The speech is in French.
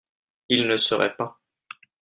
Il ne seraient pas